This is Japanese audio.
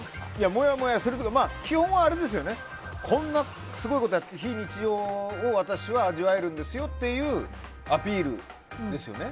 もやもやするというか基本はあれですよねこんなすごいことをやって非日常を私は味わえるんですよというアピールですよね。